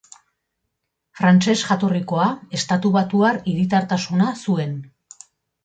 Frantses jatorrikoa, estatubatuar hiritartasuna zuen.